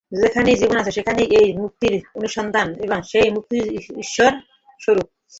যেখানেই জীবন আছে, সেখানেই এই মুক্তির অনুসন্ধান এবং সেই মুক্তিই ঈশ্বর-স্বরূপ।